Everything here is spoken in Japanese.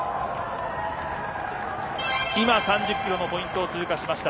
今３０キロのポイントを通過しました。